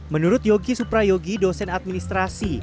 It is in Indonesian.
menurut yogi suprayogi dosen administrasi